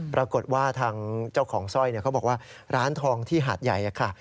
ปรากฏว่าทางเจ้าของสร้อยเขาบอกว่าร้านทองที่หาดใหญ่ค่ะ